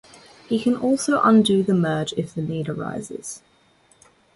He can also undo the merge if the need arises.